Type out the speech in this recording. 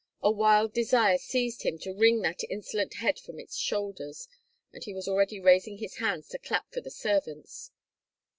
A wild desire seized him to wring that insolent head from its shoulders, and he was already raising his hands to clap for the servants.